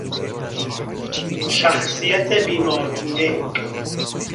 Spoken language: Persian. شخصیت بیمارگونه